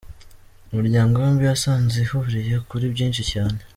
Imiryango yombi yasanze ihuriye kuri byinshi cyane :